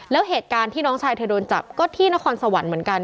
แล้วเหตุการณ์ที่น้องชายเธอโดนจับก็ที่นครสวรรค์เหมือนกัน